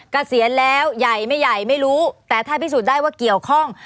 เกษียณแล้วใหญ่ไม่ใหญ่ไม่รู้แต่ถ้าพิสูจน์ได้ว่าเกี่ยวข้อง